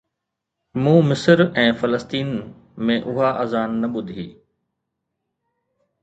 مون مصر ۽ فلسطين ۾ اها اذان نه ٻڌي